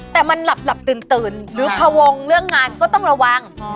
แต่มันหลับตื่นหรือพวงเรื่องงานก็ต้องระวัง